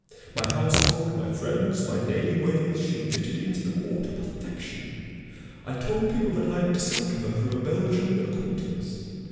My household, my friends, my daily ways, she fitted into them all to perfection. I told people that I had discovered her through a Belgian acquaintance.